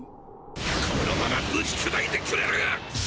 このままぶち砕いてくれる！